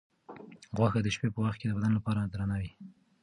غوښه د شپې په وخت کې د بدن لپاره درنه وي.